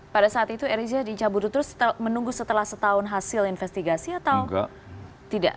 pada saat itu air asia dicabut rutenya menunggu setelah setahun hasil investigasi atau tidak